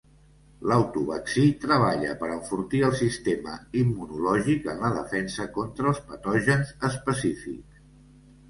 L'autovaccí treballa per enfortir el sistema immunològic en la defensa contra els patògens específics.